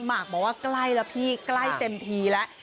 หมากบอกว่าใกล้แล้วพี่ใกล้เต็มทีแล้ว